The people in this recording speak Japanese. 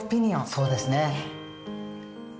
そうですね。